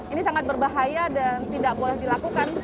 ini sangat berbahaya dan tidak boleh dilakukan